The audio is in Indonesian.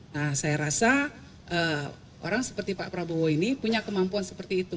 nah saya rasa orang seperti pak prabowo ini punya kemampuan seperti itu